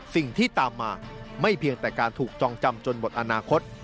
สิ่งที่ตามมาไม่เพียงแต่การถูกจองจำจนหมดอนาคต